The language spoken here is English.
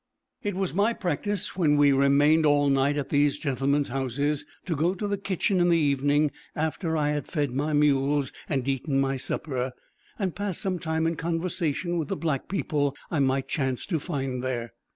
It was my practice, when we remained all night at these gentlemen's houses, to go to the kitchen in the evening, after I had fed my mules and eaten my supper, and pass some time in conversation with the black people I might chance to find there.